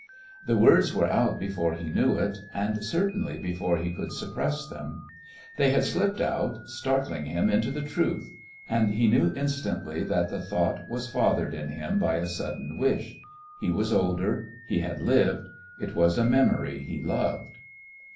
The words were out before he knew it, and certainly before he could suppress them. They just slipped out, startling him into the truth; and he knew instantly that the thought was fathered in him by a hidden wish.... He was older. He had lived. It was a memory he loved.